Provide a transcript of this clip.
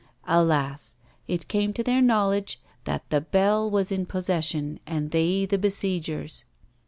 Alas! it came to their knowledge that the Bell was in possession and they the besiegers.